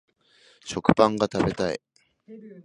食パンが食べたい